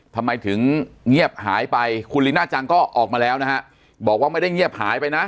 ทำไมถึงเงียบหายไปคุณลีน่าจังก็ออกมาแล้วนะฮะบอกว่าไม่ได้เงียบหายไปนะ